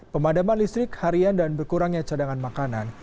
pemadaman listrik harian dan berkurangnya cadangan makanan